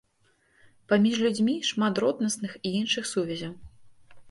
Паміж людзьмі шмат роднасных і іншых сувязяў.